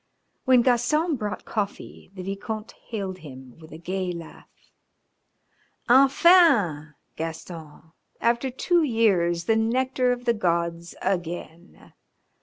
When Gaston brought coffee the Vicomte hailed him with a gay laugh. "Enfin, Gaston, after two years the nectar of the gods again!